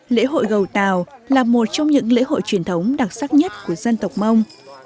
lễ hội gầu tàu là một trong những lễ hội truyền thống đặc sắc nhất của dân tộc mông